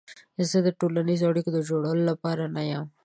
زه د ټولنیزو اړیکو د جوړولو لپاره نه یم.